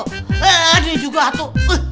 eh ini juga hatu